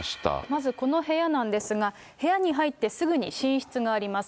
まずこの部屋なんですが、部屋に入ってすぐに寝室があります。